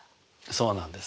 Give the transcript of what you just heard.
そうなんです。